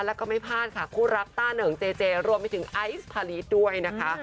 แล้วก็ไม่พลาดค่ะคู่รักต้าเหนิงเจเจรวมไปถึงไอซ์พาลีสด้วยนะคะ